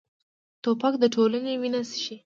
توپک د ټولنې وینه څښي.